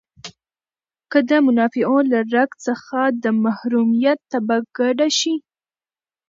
که د منافعو له رګ څخه د محرومیت تبه کډه شي.